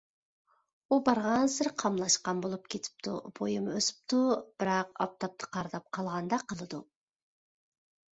ئۇ بارغانسېرى قاملاشقان بولۇپ كېتىپتۇ، بويىمۇ ئۆسۈپتۇ، بىراق ئاپتاپتا قارىداپ قالغاندەك قىلىدۇ.